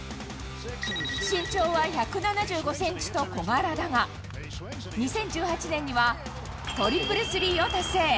身長は１７５センチと小柄だが、２０１８年にはトリプルスリーを達成。